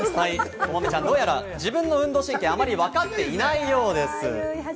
こまめちゃん、どうやら自分の運動神経をあまりわかっていないようです。